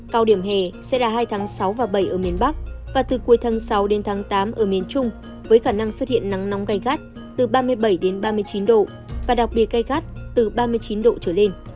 cao điểm hè sẽ là hai tháng sáu và bảy ở miền bắc và từ cuối tháng sáu đến tháng tám ở miền trung với khả năng xuất hiện nắng nóng gai gắt từ ba mươi bảy đến ba mươi chín độ và đặc biệt gây gắt từ ba mươi chín độ trở lên